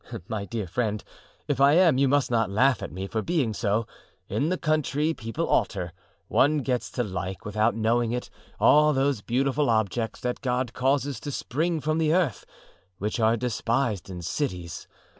"My dear friend, if I am, you must not laugh at me for being so. In the country people alter; one gets to like, without knowing it, all those beautiful objects that God causes to spring from the earth, which are despised in cities.